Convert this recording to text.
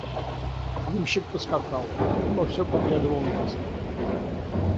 Ямщик поскакал; но все поглядывал на восток.